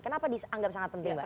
kenapa dianggap sangat penting pak